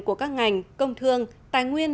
của các ngành công thương tài nguyên